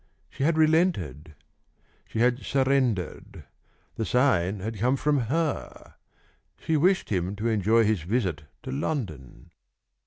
She had relented. She had surrendered. The sign had come from her. She wished him to enjoy his visit to London.